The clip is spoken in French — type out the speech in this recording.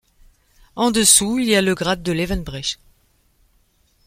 En dessous, il y a le grade de Levenbrech.